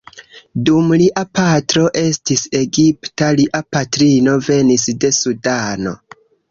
Dum lia patro estis Egipta, lia patrino venis de Sudano.